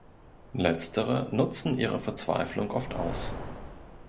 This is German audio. Letztere nutzen ihre Verzweiflung oft aus.